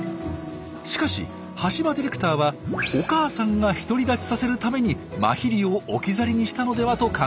しかし橋場ディレクターはお母さんが独り立ちさせるためにマヒリを置き去りにしたのではと考えたんです。